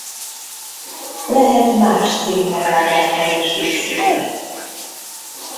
Lehet más címerábrákkal is díszítve.